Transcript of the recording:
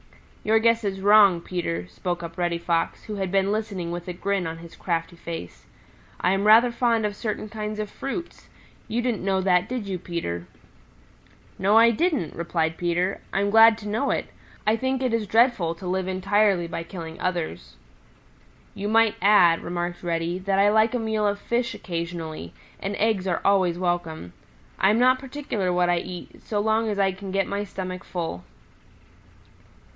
"Your guess is wrong, Peter," spoke up Reddy Fox, who had been listening with a grin on his crafty face. "I am rather fond of certain kinds of fruits. You didn't know that, did you, Peter?" "No, I didn't," replied Peter. "I'm glad to know it. I think it is dreadful to live entirely by killing others." "You might add," remarked Reddy, "that I like a meal of fish occasionally, and eggs are always welcome. I am not particular what I eat so long as I can get my stomach full."